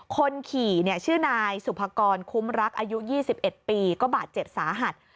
คนขี่ชื่อนายสุภกรคุ้มรักอายุ๒๑ปีก็บาดเจ็บสาหัส